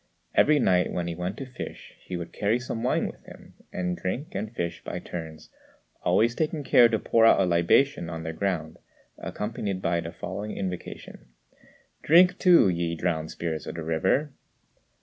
Every night when he went to fish he would carry some wine with him, and drink and fish by turns, always taking care to pour out a libation on the ground, accompanied by the following invocation: "Drink too, ye drowned spirits of the river!"